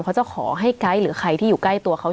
เขาจะขอให้ไกด์หรือใครที่อยู่ใกล้ตัวเขา